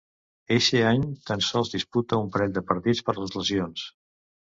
Eixe any, tan sols disputa un parell de partits per les lesions.